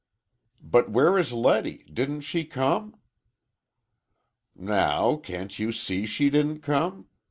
"But where is Letty? Didn't she come?" "Now can't you see she didn't come?